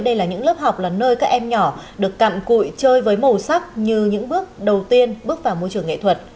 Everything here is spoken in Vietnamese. đây là những lớp học là nơi các em nhỏ được cặm cụi chơi với màu sắc như những bước đầu tiên bước vào môi trường nghệ thuật